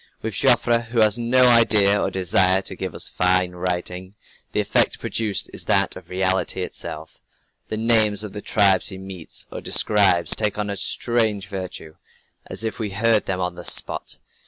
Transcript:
... With Joffre who has no idea or desire to give us 'fine writing,' the effect produced is that of reality itself. The names of the tribes he meets or describes take on a strange virtue, as if we heard them on the spot.